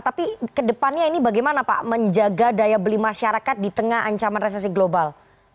tapi kedepannya ini bagaimana pak menjaga daya beli masyarakat di tengah ancaman resesi global